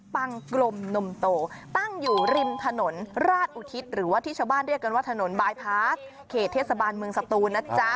บ้านเรียกกันว่าถนนบายพาร์กเขตเทศบาลเมืองสะตูนนะจ๊ะ